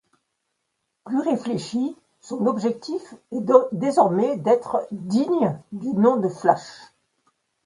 Plus réfléchi, son objectif est désormais d'être digne du nom de Flash.